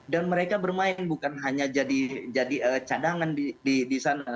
dan mereka bermain bukan hanya jadi cadangan di sana